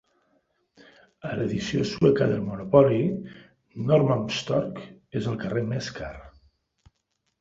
A l'edició sueca del "Monopoly", Norrmalmstorg és el carrer més car.